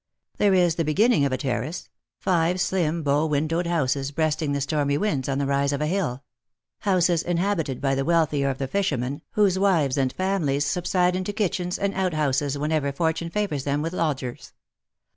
There is the beginning of a terrace — five slim bow windowed houses breasting the stormy winds on the rise of a hill ; houses inhabited by the wealthier of the fishermen, whosa wives and families subside into kitchens and onthouses whenever Fortune favours them with lodgers.